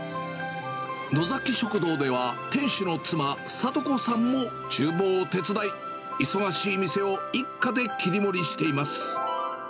のざき食堂では、店主の妻、智子さんもちゅう房を手伝い、忙しい店を一家で切り盛りしています。